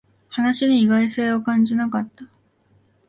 話に意外性を感じなかった